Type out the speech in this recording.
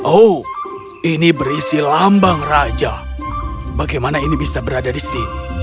oh ini berisi lambang raja bagaimana ini bisa berada di sini